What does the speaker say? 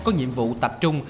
có nhiệm vụ tập trung